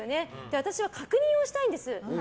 私は確認をしたいんです。